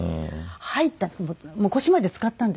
入ったらもう腰までつかったんです。